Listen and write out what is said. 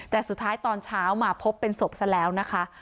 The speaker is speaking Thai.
แต่สุดท้ายตอนเช้ามาพบเป็นศพซะแล้วนะคะ